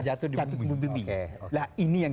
jatuh di bumi nah ini yang